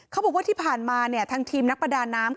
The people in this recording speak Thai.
เขาบอกว่าที่ผ่านมาเนี่ยทางทีมนักประดาน้ำ